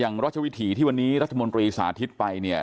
อย่างราชวิถีที่วันนี้รัฐมนตรีสาธิตไป